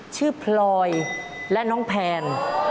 ชื่อพลอยและน้องแพน